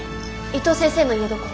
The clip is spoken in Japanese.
伊藤先生の家どこ？